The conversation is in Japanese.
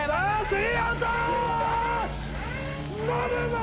スリーアウト！